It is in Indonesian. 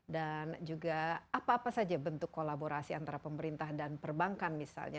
dan juga apa apa saja bentuk kolaborasi antara pemerintah dan perbankan misalnya